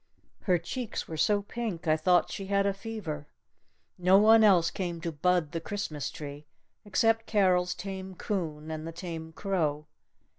Her cheeks were so pink I thought she had a fever. No one else came to bud the Christmas tree except Carol's tame coon and the tame crow.